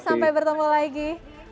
sampai jumpa lagi